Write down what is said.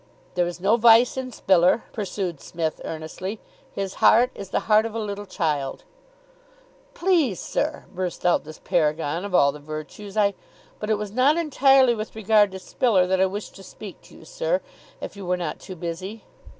"There is no vice in Spiller," pursued Psmith earnestly. "His heart is the heart of a little child." "Please, sir," burst out this paragon of all the virtues, "I " "But it was not entirely with regard to Spiller that I wished to speak to you, sir, if you were not too busy."